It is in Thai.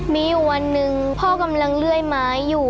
มีอยู่วันหนึ่งพ่อกำลังเลื่อยไม้อยู่